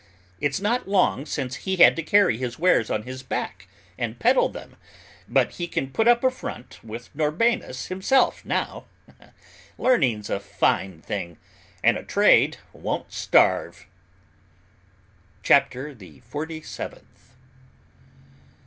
It's not long since he had to carry his wares on his back and peddle them, but he can put up a front with Norbanus himself now! Learning's a fine thing, and a trade won't starve.'" CHAPTER THE FORTY SEVENTH.